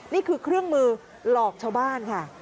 นี่คือเครื่องมือหลอกชาวบ้านค่ะ